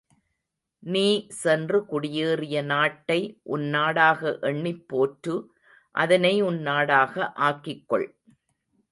நீ சென்று குடியேறிய நாட்டை உன் நாடாக எண்ணிப் போற்று அதனை உன் நாடாக ஆக்கிக்கொள்.